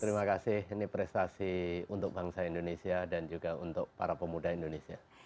terima kasih ini prestasi untuk bangsa indonesia dan juga untuk para pemuda indonesia